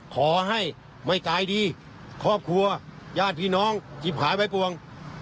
ขอให้ไม่ตายดีครอบครัวญาติพี่น้องหยิบขายไว้ปวง